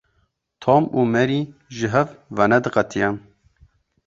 Tom û Mary ji hev venediqetiyan.